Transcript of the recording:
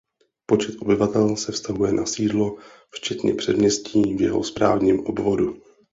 Počet obyvatel se vztahuje na sídlo včetně předměstí v jeho správním obvodu.